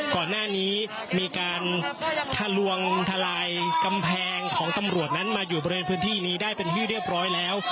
ก่อนหน้านี้มีการทะลวงทลายกำแพงของตำรวจนั้นมาอยู่บริเวณพื้นที่นี้ได้เป็นที่เรียบร้อยแล้ว